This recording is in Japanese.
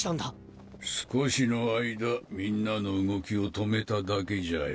少しの間みんなの動きを止めただけじゃよ。